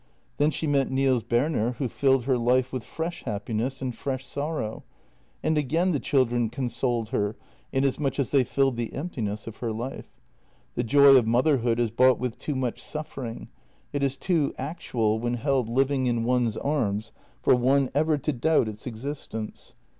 Then she met Nils Berner, who filled her life with fresh happiness and fresh sorrow — and again the children consoled her, inasmuch as they filled the emptiness of her life. The joy of motherhood is bought with too much suffering; it is too actual, when held living in one's arms, for one ever to doubt its existence.